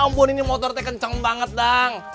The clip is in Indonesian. ya ampun ini motornya kenceng banget dang